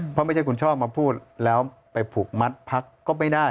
เพราะไม่ใช่คุณชอบมาพูดแล้วไปผูกมัดพักก็ไม่ได้